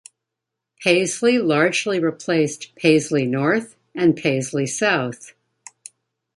Paisley largely replaced Paisley North and Paisley South.